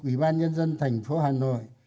ủy ban nhân dân thành phố hà nội